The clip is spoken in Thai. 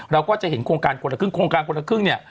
เราก็จะเห็นโครงการคนละครึ่งโครงการคนละครึ่งเนี่ย